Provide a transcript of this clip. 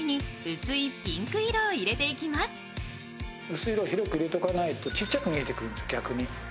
薄い色を広く入れておかないとちっちゃく見える、逆に。